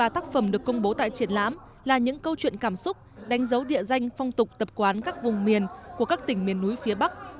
ba mươi tác phẩm được công bố tại triển lãm là những câu chuyện cảm xúc đánh dấu địa danh phong tục tập quán các vùng miền của các tỉnh miền núi phía bắc